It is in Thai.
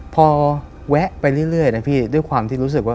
พอแวะไปเรื่อยนะพี่ด้วยความที่รู้สึกว่า